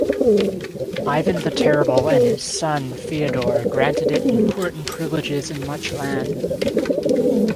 Ivan the Terrible and his son Feodor granted it important privileges and much land.